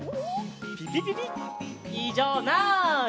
ピピピピいじょうなし！